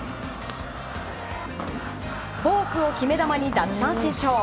フォークを決め球に奪三振ショー。